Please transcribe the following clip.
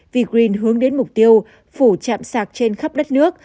vgreen hướng đến mục tiêu phủ chạm sạc trên khắp đất nước